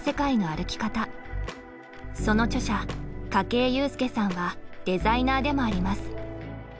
その著者筧裕介さんはデザイナーでもあります。